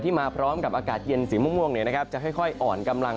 ที่มาพร้อมกับอากาศเย็นสีม่วงเนี่ยนะครับจะค่อยอ่อนกำลัง